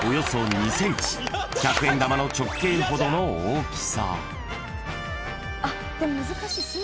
［１００円玉の直径ほどの大きさ］